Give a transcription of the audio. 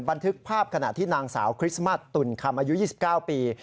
บันทึกภาพขณะที่นางสาวคริสต์มัสตุ่นคำอายุ๒๙ปี